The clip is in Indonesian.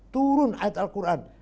turun ayat al quran